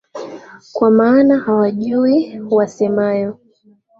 Kwa maana hawayajui wasemayo.